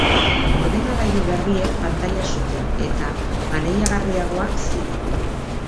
Ordenagailu berriek pantaila zuten, eta maneiagarriagoak ziren.